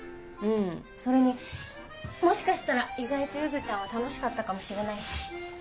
うんそれにもしかしたら意外と柚ちゃんは楽しかったかもしれないし。